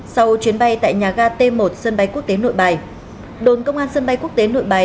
sau chuyến bay tại nhà ga t một sân bay quốc tế nội bài đồn công an sân bay quốc tế nội bài